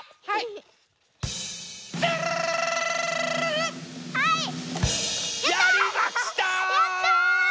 はいはい。